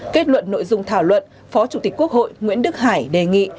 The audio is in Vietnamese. kết luận nội dung thảo luận phó chủ tịch quốc hội nguyễn đức hải đề nghị